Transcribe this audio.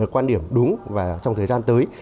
quan điểm đúng và trong thời gian tới